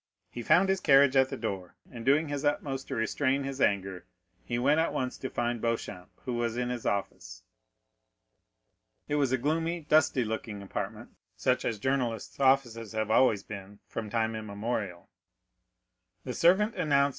He found his carriage at the door, and doing his utmost to restrain his anger he went at once to find Beauchamp, who was in his office. It was a gloomy, dusty looking apartment, such as journalists' offices have always been from time immemorial. The servant announced M.